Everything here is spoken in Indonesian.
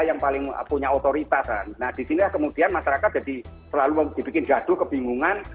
nah disini kemudian masyarakat jadi selalu dibikin gaduh kebingungan